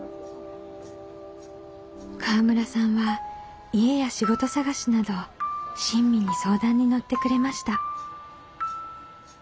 河村さんは家や仕事探しなど親身に相談に乗ってくれました。